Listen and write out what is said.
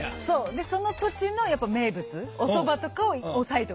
でその土地のやっぱ名物おそばとかを押さえとく。